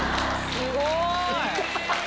すごい。